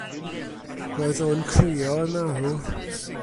Roedd o yn crio yn arw.